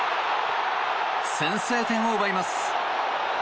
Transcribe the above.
先制点を奪います。